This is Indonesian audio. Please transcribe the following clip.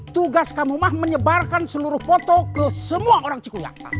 tugas kamu mah menyebarkan seluruh foto ke semua orang cikulak